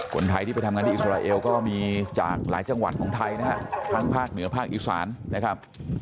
คนไทยที่ไปทำงานที่อิสราเอลก็มีจากหลายจังหวัดของไทยนะฮะทั้งภาคเหนือภาคอีสานนะครับ